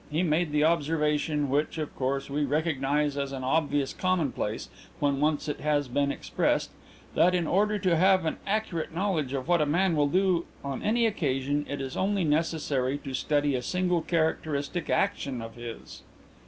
He made the observation, which, of course, we recognize as an obvious commonplace when once it has been expressed, that in order to have an accurate knowledge of what a man will do on any occasion it is only necessary to study a single characteristic action of his."